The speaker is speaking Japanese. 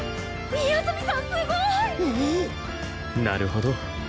なるほど。